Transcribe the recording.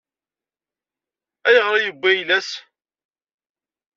Ayɣer i yewwi ayla-s?